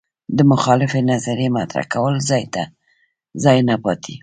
د مخالفې نظریې مطرح کولو ځای نه پاتې